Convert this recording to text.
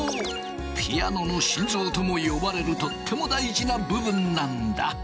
ピアノの心臓とも呼ばれるとっても大事な部分なんだ。